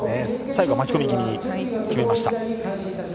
最後、巻き込み気味に決めました。